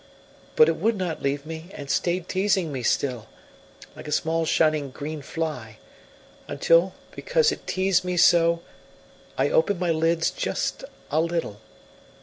But it would not leave me, and stayed teasing me still, like a small shining green fly; until, because it teased me so, I opened my lids just a little.